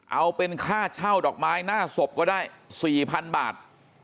เอาเป็นค่าเช่าดอกไม้หน้าศพก็ได้๔๐๐๐บาท